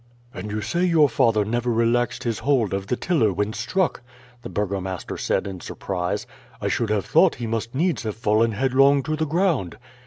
"And you say your father never relaxed his hold of the tiller when struck!" the burgomaster said in surprise. "I should have thought he must needs have fallen headlong to the ground."